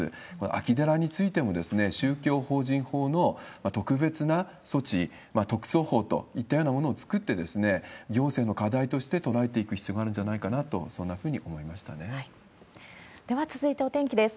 空き寺についても、宗教法人法の特別な措置、特措法といったようなものを作って、行政の課題として捉えていく必要があるんじゃないかなと、そんなでは、続いてお天気です。